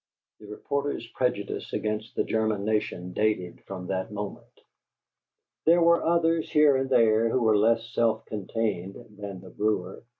The reporter's prejudice against the German nation dated from that moment. There were others, here and there, who were less self contained than the brewer.